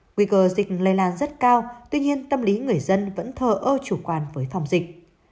nguy cơ dịch lây lan rất cao tuy nhiên tâm lý người dân vẫn thờ ơ chủ quan với phòng dịch